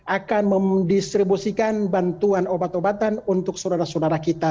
akan mendistribusikan bantuan obat obatan untuk saudara saudara kita